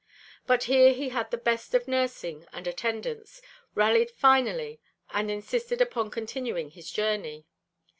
But here he had the best of nursing and attendance, rallied finally and insisted upon continuing his journey.